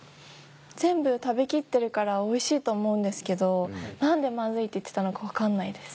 全部食べ切ってるからおいしいと思うんですけど何で「マズイ」って言ってたのか分かんないです。